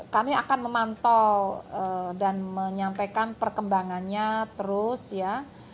kami akan memantau dan menyampaikan perkembangannya terus ya